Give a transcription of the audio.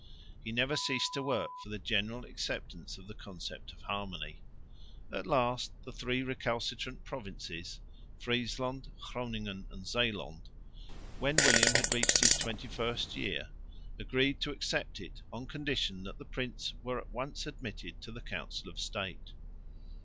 He never ceased to work for the general acceptance of the Concept of Harmony. At last the three recalcitrant provinces (Friesland, Groningen and Zeeland), when William had reached his twenty first year, agreed to accept it on condition that the prince were at once admitted to the Council of State.